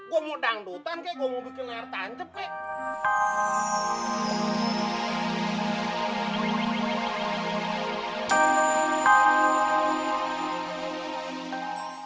gua mau dangdutan kaya gua mau bikin artanjep kaya